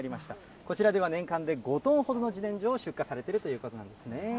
こちらでは年間で５トンほどのじねんじょを出荷されているということなんですね。